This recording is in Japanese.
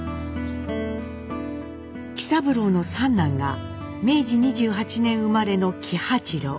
喜三郎の三男が明治２８年生まれの喜八郎。